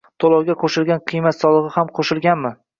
To'lovga qo'shilgan qiymat solig'i ham qo'shilganmi?